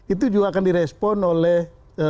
itu juga akan di respon oleh